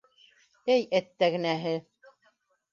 Әй әттәгенәһе...